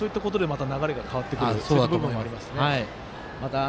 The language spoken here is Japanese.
そういうことで流れが変わってくる部分もありますね。